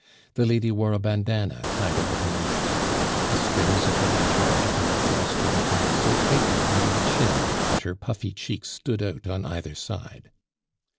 The lady wore a bandana tied over her night cap, the strings of the latter article of dress being tied so tightly under the chin that her puffy cheeks stood out on either side.